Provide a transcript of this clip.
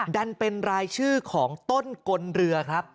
ดันเป็นรายชื่อของต้นกลเรือครับ